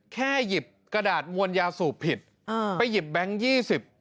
แค่หยิบกระดาษมวลยาสูบผิดอ่าไปหยิบแบงค์ยี่สิบ